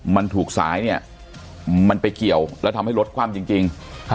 มันถูกสายเนี่ยมันไปเกี่ยวแล้วทำให้รถคว่ำจริง